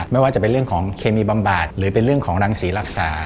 ไม่ว่าจะเป็นเรื่องของเคมีบำบัดหรือเป็นเรื่องของรังศรีรักษา